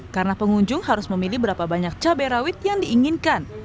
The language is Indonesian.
karena pengunjung harus memilih berapa banyak cabai rawit yang diinginkan